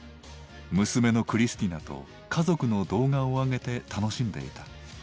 娘のクリスティナと家族の動画を上げて楽しんでいた。